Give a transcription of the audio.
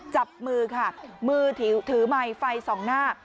จับมือค่ะมือถือไมค์ไฟ๒หน้า